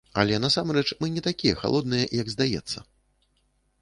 Але насамрэч мы не такія халодныя, як здаецца.